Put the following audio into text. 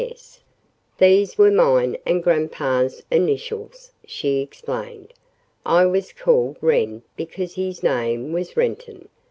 S.' These were mine and grandpa's initials," she explained. "I was called Wren because his name was Renton."